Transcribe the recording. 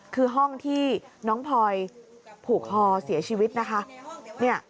คือห้องที่น้องพลอยผูกคอเสียชีวิตนะคะ